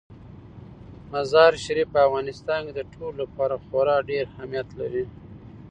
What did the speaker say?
مزارشریف په افغانستان کې د ټولو لپاره خورا ډېر اهمیت لري.